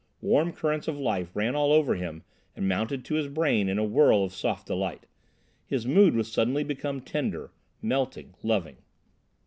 Warm currents of life ran all over him and mounted to his brain in a whirl of soft delight. His mood was suddenly become tender, melting, loving.